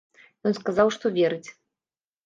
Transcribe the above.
Ён сказаў, што верыць.